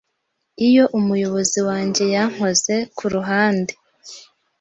Iyo Umuyobozi wanjye yankoze ku ruhande